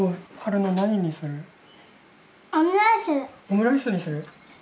オムライスにする？